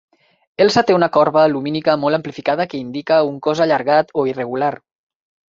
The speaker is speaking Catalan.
Elsa té una corba lumínica molt amplificada que indica un cos allargat o irregular.